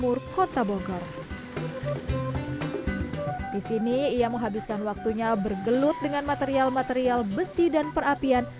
di sini ia menghabiskan waktunya bergelut dengan material material besi dan perapian